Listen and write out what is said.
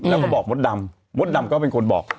แล้วก็บอกมดดำมดดำก็เป็นคนบอก